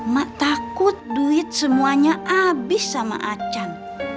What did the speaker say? mak takut duit semuanya abis sama achan